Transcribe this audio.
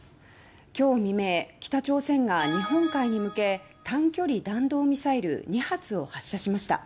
今日未明、北朝鮮が日本海に向け短距離弾道ミサイル２発を発射しました。